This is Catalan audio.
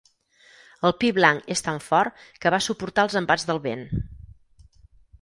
El pi blanc és tan fort que va suportar els embats del vent.